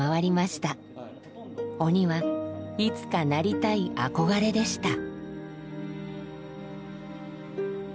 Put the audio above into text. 鬼はいつかなりたい憧れでした。